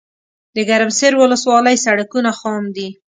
دګرمسیر ولسوالۍ سړکونه خام دي